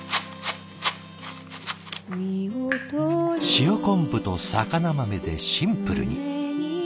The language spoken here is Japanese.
塩昆布と肴豆でシンプルに。